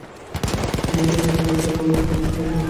তিনি একটি জটিল ও অলংকারবহুল রচনাশৈলী গড়ে তুলেছিলেন।